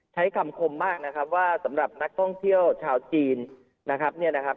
ใช้คำคมมากนะครับว่าสำหรับนักท่องเที่ยวชาวจีนนะครับเนี่ยนะครับ